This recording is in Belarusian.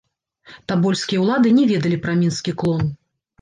Табольскія ўлады не ведалі пра мінскі клон.